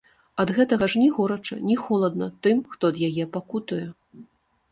Ад гэтага ж ні горача, ні халодна тым, хто ад яе пакутуе.